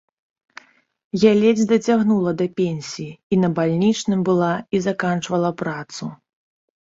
Я ледзь дацягнула да пенсіі, і на бальнічным была і заканчвала працу.